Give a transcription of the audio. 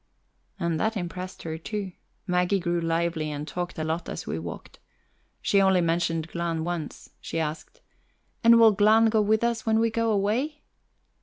And that impressed her too. Maggie grew lively and talked a lot as we walked. She only mentioned Glahn once; she asked: "And will Glahn go with us when we go away?"